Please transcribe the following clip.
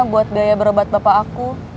buat biaya berobat bapak aku